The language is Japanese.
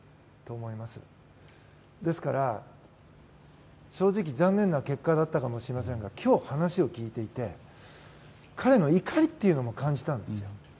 ですから正直残念な結果だったかもしれませんが今日、話を聞いていて彼の怒りというのも感じたんですよ。